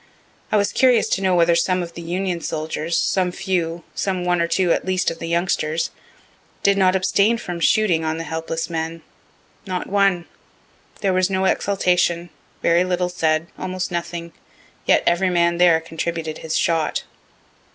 I was curious to know whether some of the Union soldiers, some few, (some one or two at least of the youngsters,) did not abstain from shooting on the helpless men. Not one. There was no exultation, very little said, almost nothing, yet every man there contributed his shot.